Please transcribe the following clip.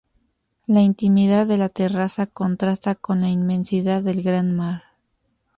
La intimidad de la terraza contrasta con la inmensidad del gran mar.